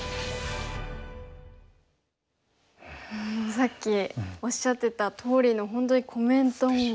さっきおっしゃってたとおりの本当にコメントもすごいかっこいい。